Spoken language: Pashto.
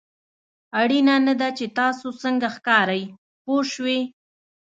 اړینه نه ده چې تاسو څنګه ښکارئ پوه شوې!.